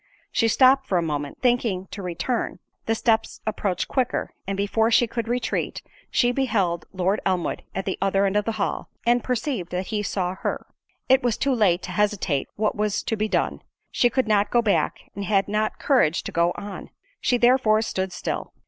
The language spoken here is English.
She stopped for a moment, thinking to return; the steps approached quicker, and before she could retreat, she beheld Lord Elmwood at the other end of the hall, and perceived that he saw her. It was too late to hesitate what was to be done; she could not go back, and had not courage to go on; she therefore stood still.